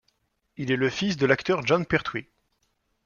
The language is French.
Il est le fils de l'acteur Jon Pertwee.